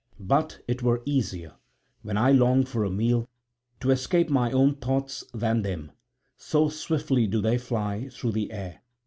But it were easier, when I long for a meal, to escape my own thoughts than them, so swiftly do they fly through the air.